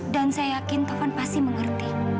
dan saya yakin taufan pasti mengerti